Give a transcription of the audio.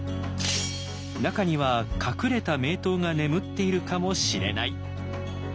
中には隠れた名刀が眠っているかもしれない！